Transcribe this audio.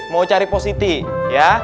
mau cari positi ya